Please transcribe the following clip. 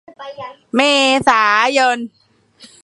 เมษายน